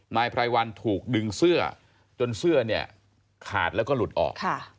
นายไพรวัลถูกดึงเสื้อจนเสื้อเนี่ยขาดแล้วก็หลุดออก